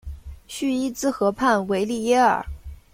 叙伊兹河畔维利耶尔。